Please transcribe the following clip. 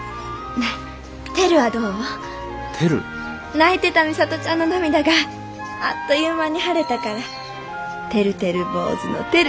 泣いてた美里ちゃんの涙があっという間に晴れたからてるてる坊主のテル！